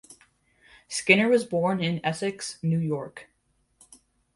Skinner was born in Essex, New York.